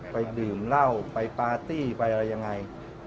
ไปดื่มเหล้าไปปาร์ตี้ไปอะไรยังไง